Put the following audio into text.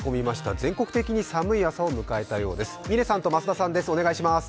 全国的に寒い朝を迎えたようです。